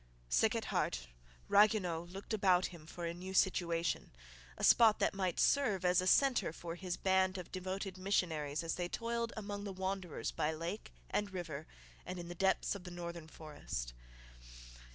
Sick at heart, Ragueneau looked about him for a new situation, a spot that might serve as a centre for his band of devoted missionaries as they toiled among the wanderers by lake and river and in the depths of the northern forest.